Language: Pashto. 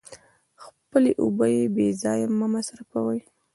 خپلې اوبه بې ځایه مه مصرفوئ.